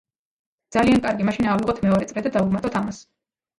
ძალიან კარგი, მაშინ ავიღოთ მეორე წრე და დავუმატოთ ამას.